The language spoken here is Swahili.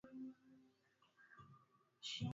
Yeye ni mwizi. Alipigwa jana jioni.